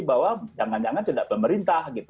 bahwa jangan jangan tidak pemerintah gitu